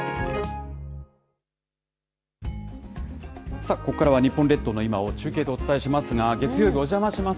さあ、ここからは日本列島の今を中継でお伝えしますが、月曜日、おじゃまします！